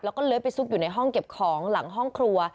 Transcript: แล้วก็เลื้อยไปซุกอยู่ในห้องเก็บของหลังห้องครัว